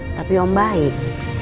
tapi om baik